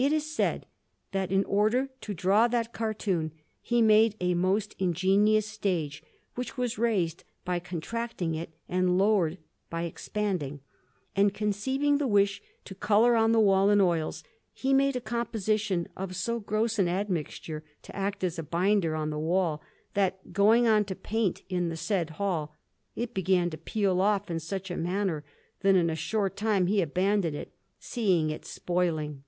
It is said that, in order to draw that cartoon, he made a most ingenious stage, which was raised by contracting it and lowered by expanding. And conceiving the wish to colour on the wall in oils, he made a composition of so gross an admixture, to act as a binder on the wall, that, going on to paint in the said hall, it began to peel off in such a manner that in a short time he abandoned it, seeing it spoiling.